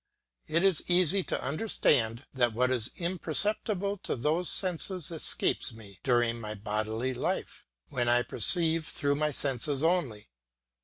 It is easy to understand that what is imperceptible to those senses escapes me, during my bodily life, when I perceive through my senses only.